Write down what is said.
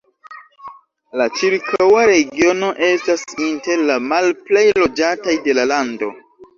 La ĉirkaŭa regiono estas inter la malplej loĝataj de la lando.